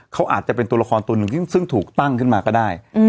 เขาอาจจะเป็นตัวละครตัวหนึ่งซึ่งถูกตั้งขึ้นมาก็ได้